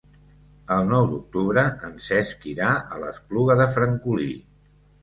El nou d'octubre en Cesc irà a l'Espluga de Francolí.